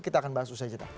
kita akan bahas itu saja